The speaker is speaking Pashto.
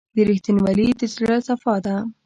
• رښتینولي د زړه صفا ده.